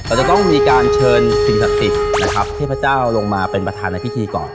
เราจะต้องมีการเชิญสิ่งศักดิ์สิทธิ์นะครับเทพเจ้าลงมาเป็นประธานในพิธีก่อน